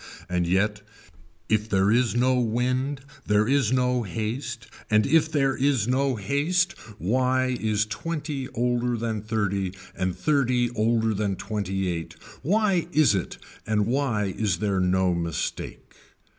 And yet if there is no wind there is no haste and if there is no haste why is twenty older than thirty and thirty older than twenty eight, why is it and why is there no mistake.